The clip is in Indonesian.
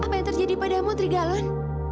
apa yang terjadi pada kamu tirgalon